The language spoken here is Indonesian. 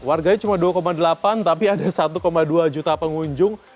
warganya cuma dua delapan tapi ada satu dua juta pengunjung